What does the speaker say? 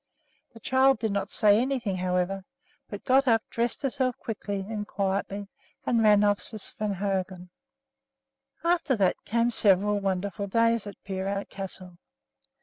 The child did not say anything, however, but got up, dressed herself quickly and quietly, and ran off to Svehaugen. After that there came several wonderful days at Peerout Castle.